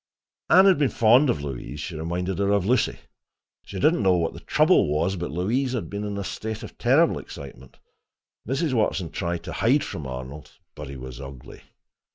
Anne had been fond of Louise—she reminded her of Lucy. She did not know what the trouble was, but Louise had been in a state of terrible excitement. Mrs. Watson tried to hide from Arnold, but he was ugly.